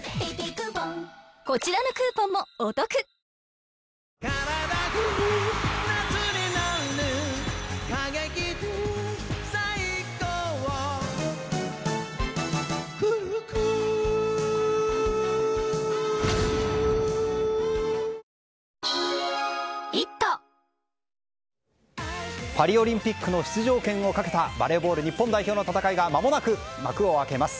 血圧１３０超えたらサントリー「胡麻麦茶」パリオリンピックの出場権をかけたバレーボール日本代表の戦いがまもなく幕を開けます。